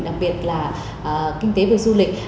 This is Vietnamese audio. đặc biệt là kinh tế về du lịch